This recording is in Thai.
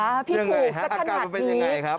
พี่ถูกสักขนาดนี้คืออย่างไรครับอาการมันเป็นอย่างไรครับ